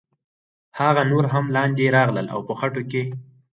هغه نور هم لاندې راغلل او په خټو کې.